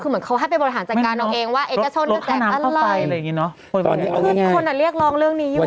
คือเหมือนเขาให้เป็นบริฐานจัดการลองเองว่า